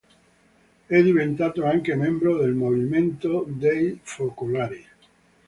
È diventato anche membro del Movimento dei focolari.